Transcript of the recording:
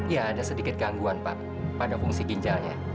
ya ada sedikit gangguan pak pada fungsi ginjalnya